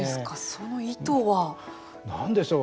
その意図は？何でしょう。